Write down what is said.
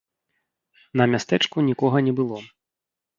На мястэчку нікога не было.